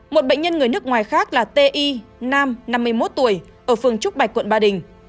một bệnh nhân người nước ngoài khác là ti nam năm mươi một tuổi ở phường trúc bạch quận ba đình